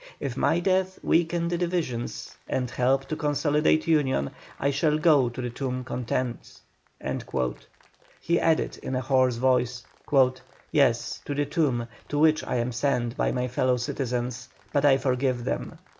If my death weaken the divisions, and help to consolidate union, I shall go to the tomb content." He added in a hoarse voice: "Yes, to the tomb, to which I am sent by my fellow citizens, but I forgive them.